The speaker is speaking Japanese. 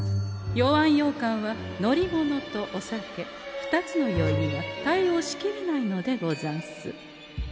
「酔わんようかん」は乗り物とお酒２つの酔いには対応しきれないのでござんす。